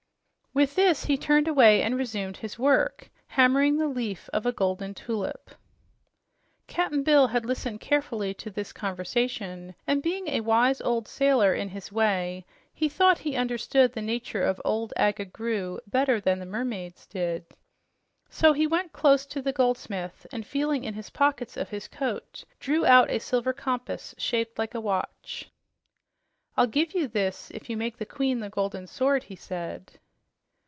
With this he turned away and resumed his work, hammering the leaf of a golden ship. Cap'n Bill had listened carefully to this conversation, and being a wise old sailor in his way, he thought he understood the nature of old Agga Groo better than the mermaids did. So he went close to the goldsmith, and feeling in the pockets of his coat drew out a silver compass shaped like a watch. "I'll give you this if you'll make the queen the golden sword," he said.